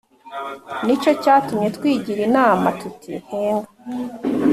Ni cyo cyatumye twigira inama tuti Henga